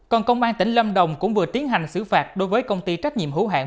còn công an tỉnh lâm đồng cũng vừa tiến hành xử phạt đối với công ty trách nhiệm hữu hạn